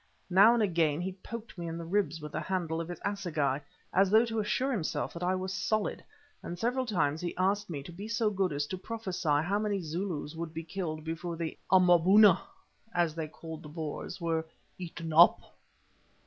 Now and again he poked me in the ribs with the handle of his assegai, as though to assure himself that I was solid, and several times he asked me to be so good as to prophesy how many Zulus would be killed before the "Amaboona," as they called the Boers, were "eaten up."